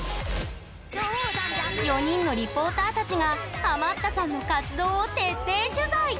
４人のリポーターたちがハマったさんの活動を徹底取材。